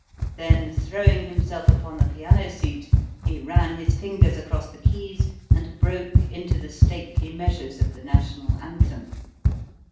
Then, throwing himself upon the piano seat, he ran his fingers across the keys and broke into the stately measures of the national anthem.